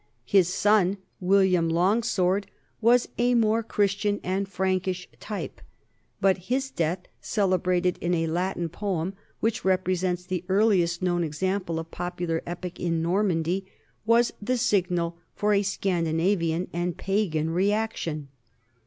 His son, William Long sword, was a more Christian and Prankish type, but his death, celebrated in a Latin poem which represents the earliest known example of popular epic in Normandy, was the signal for a Scandinavian and pagan reaction.